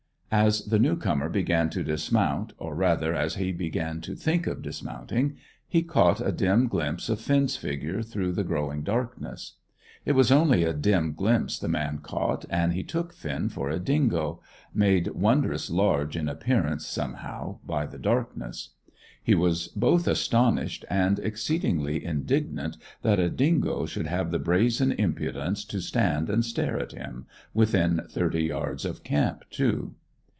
As the new comer began to dismount, or rather, as he began to think of dismounting, he caught a dim glimpse of Finn's figure through the growing darkness. It was only a dim glimpse the man caught, and he took Finn for a dingo, made wondrous large in appearance, somehow, by the darkness. He was both astonished and exceedingly indignant that a dingo should have the brazen impudence to stand and stare at him, within thirty yards of camp, too.